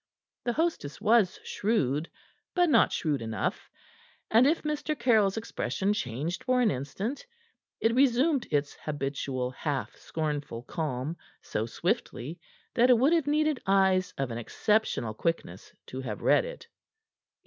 The hostess was shrewd, but not shrewd enough, and if Mr. Caryll's expression changed for an instant, it resumed its habitual half scornful calm so swiftly that it would have needed eyes of an exceptional quickness to have read it.